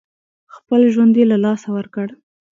خپل ژوند یې له لاسه ورکړ.